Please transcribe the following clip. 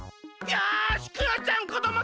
よしクヨちゃんこども